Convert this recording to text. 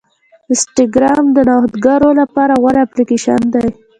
انسټاګرام د نوښتګرو لپاره غوره اپلیکیشن دی.